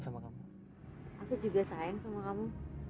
ya allah ya tuhan ku